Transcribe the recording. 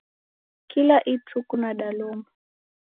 Kila ituku nadalomba.